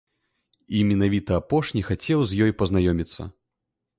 І менавіта апошні хацеў з ёй пазнаёміцца.